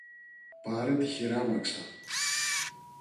Πάρε τη χειράμαξα